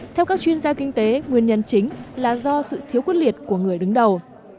theo các chuyên gia kinh tế nguyên nhân chính là do sự thiếu quyết liệt của người đứng đầu